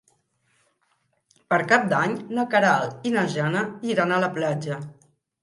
Per Cap d'Any na Queralt i na Jana iran a la platja.